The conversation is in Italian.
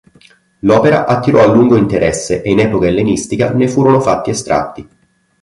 L'opera attirò a lungo interesse e in epoca ellenistica ne furono fatti estratti.